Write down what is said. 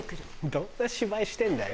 どんな芝居してんだよ。